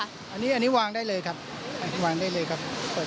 อันนี้วางได้เลยครับวางได้เลยครับ